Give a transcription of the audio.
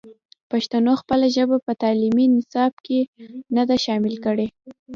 پښتنو خپله ژبه په تعلیمي نصاب کې نه ده شامل کړې.